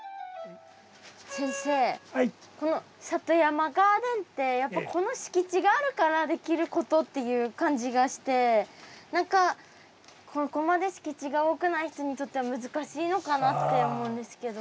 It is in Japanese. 先生この里山ガーデンってやっぱこの敷地があるからできることっていう感じがして何かここまで敷地が多くない人にとっては難しいのかなって思うんですけど。